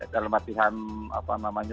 dalam latihan apa namanya